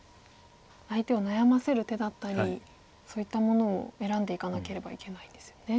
相手を悩ませる手だったりそういったものを選んでいかなければいけないですよね。